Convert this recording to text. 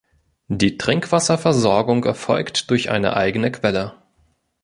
Die Trinkwasserversorgung erfolgt durch eine eigene Quelle.